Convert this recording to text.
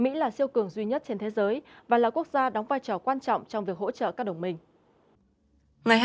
mỹ là siêu cường duy nhất trên thế giới và là quốc gia đóng vai trò quan trọng trong việc hỗ trợ các đồng minh